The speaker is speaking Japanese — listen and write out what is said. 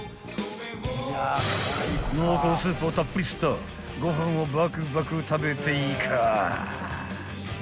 ［濃厚スープをたっぷり吸ったご飯をバクバク食べていか］